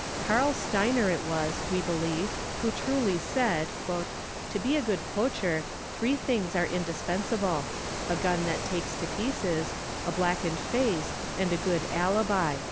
Karl Stenwer it was, we believe, who truly said, '"'to be a good poacher, three things are indispensable: "gun that takes to pieces; a blackened face; and a good alibi."